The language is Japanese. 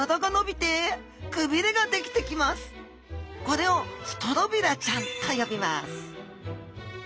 これをストロビラちゃんと呼びます